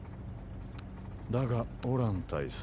だがオラン大佐。